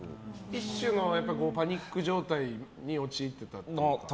一種のパニック状態に陥ってたってこと？